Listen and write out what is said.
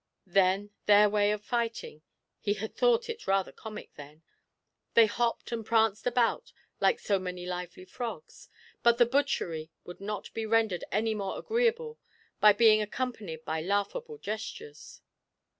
Then their way of fighting he had thought it rather comic then they hopped and pranced about like so many lively frogs, but the butchery would not be rendered any more agreeable by being accompanied by laughable gestures!